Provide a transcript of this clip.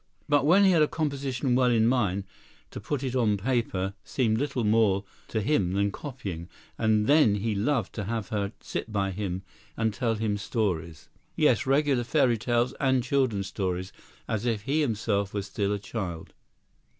But when he had a composition well in mind, to put it on paper seemed little more to him than copying; and then he loved to have her sit by him and tell him stories—yes, regular fairy tales and children's stories, as if he himself still were a child.